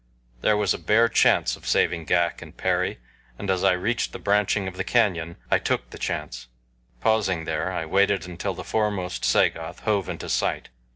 There was a bare chance of saving Ghak and Perry, and as I reached the branching of the canyon I took the chance. Pausing there I waited until the foremost Sagoth hove into sight.